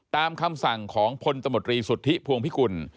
ตามคำสั่งของพลตมตรีสุทธิพวงพิกุล